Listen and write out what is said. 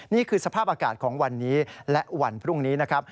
นี่คือสภาพอากาศของวันนี้และวันพรุ่งนี้นะครับ